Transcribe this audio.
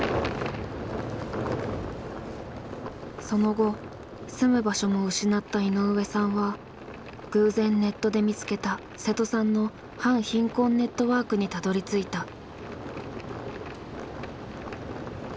その後住む場所も失った井上さんは偶然ネットで見つけた瀬戸さんの反貧困ネットワークにたどりついた。